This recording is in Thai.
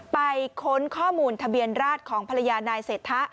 ค้นข้อมูลทะเบียนราชของภรรยานายเศรษฐะ